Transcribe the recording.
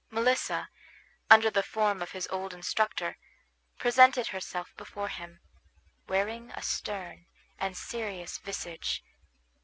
Melissa, under the form of his old instructor, presented herself before him, wearing a stern and serious visage.